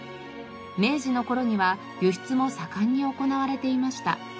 明治の頃には輸出も盛んに行われていました。